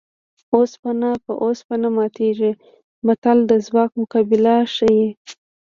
اوسپنه په اوسپنه ماتېږي متل د ځواک مقابله ښيي